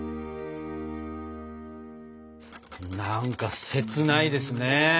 何か切ないですね。